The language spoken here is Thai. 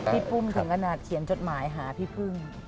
พี่ปุ้มถึงกระหนักเขียนจดหมายหาพี่พึ่ง